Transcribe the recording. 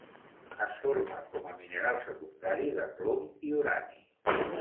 Es forma com a mineral secundari de plom i urani.